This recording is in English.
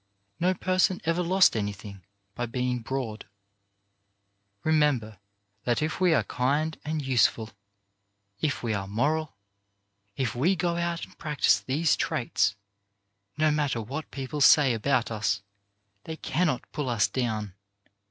No person ever lost anything by being broad. Remember that if we are kind and useful, if we are moral, if we go out and practise these traits, no matter what people say about us, they cannot pull us down.